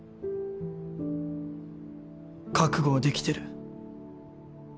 覚悟はできてる。